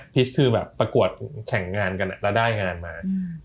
คือแบบประกวดแข่งงานกันแล้วได้งานมา